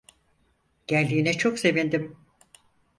Geldiğine çok sevindim.